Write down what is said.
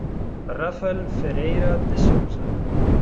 Rafael Ferreira de Souza